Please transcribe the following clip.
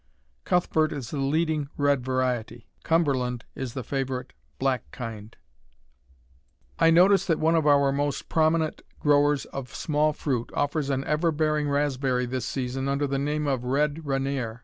Cuthbert is the leading red variety. Cumberland is the favorite black kind. I notice that one of our most prominent growers of small fruit offers an ever bearing raspberry this season, under the name of Red Ranere.